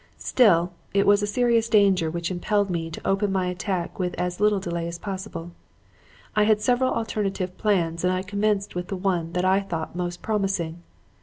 Still, it was a serious danger which impelled me to open my attack with as little delay as possible. I had several alternative plans and I commenced with the one that I thought most promising.